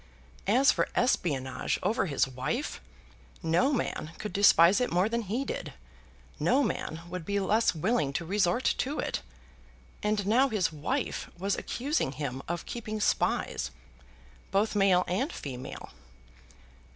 As for espionage over his wife, no man could despise it more than he did! No man would be less willing to resort to it! And now his wife was accusing him of keeping spies, both male and female.